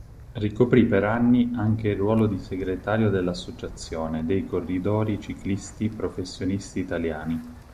Ricoprì per anni anche il ruolo di segretario dell'Associazione dei Corridori Ciclisti Professionisti Italiani.